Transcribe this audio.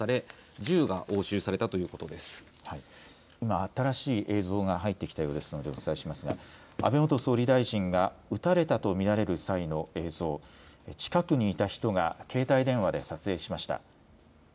今、新しい映像が入ってきたようですのでお伝えしますが安倍元総理大臣が撃たれたと見られる際の映像、近くにいた人が携帯電話で撮影しました。